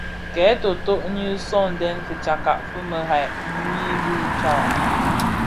Kè toto nyi sõňdèn fitsakka fi mëdhad ňyi bi tsag.